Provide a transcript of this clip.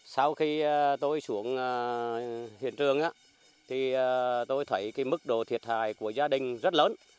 sau khi tôi xuống hiện trường thì tôi thấy mức độ thiệt hại của gia đình rất lớn